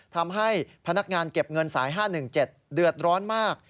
ทำให้พนักงานเก็บเงินสาย๕๑๗เดือดร้อนมาก